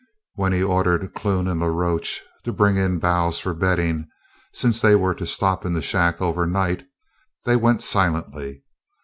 When he ordered Clune and La Roche to bring in boughs for bedding since they were to stop in the shack overnight they went silently.